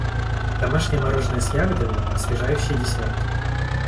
Домашнее мороженое с ягодами - освежающий десерт.